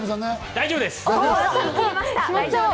大丈夫です！